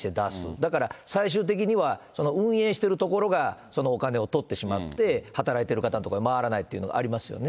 だから、最終的には運営しているところがそのお金を取ってしまって、働いている方の所に回らないというのはありますよね。